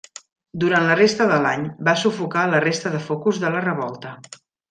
Durant la resta de l'any va sufocar la resta de focus de la revolta.